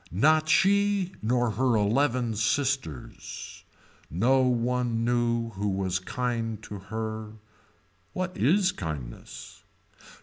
Not she nor her eleven sisters. No one knew who was kind to her. What is kindness.